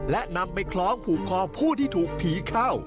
และนำไปคล้องผูกคอผู้ที่ถูกผีเข้า